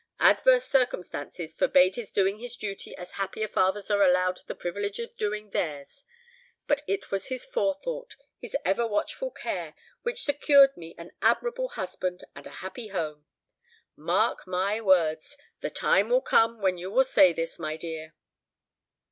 Adverse circumstances forbade his doing his duty as happier fathers are allowed the privilege of doing theirs, but it was his forethought, his ever watchful care, which secured me an admirable husband and a happy home.' Mark my words, the time will come when you will say this, my dear."